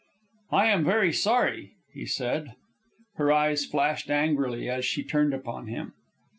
"I am very sorry," he said. Her eyes flashed angrily as she turned upon him.